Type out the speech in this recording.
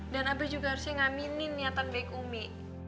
dan abah juga harusnya ngaminin niatan baik umi